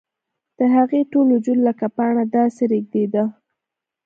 د هغې ټول وجود لکه پاڼه داسې رېږدېده